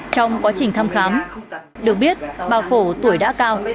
trong quá trình thăm khám được biết bà phổ tuổi đã cao